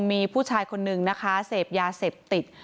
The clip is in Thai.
มีผู้ชายคนนึงนะคะเสพยาเสพติด